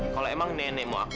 kalau emang nenek mau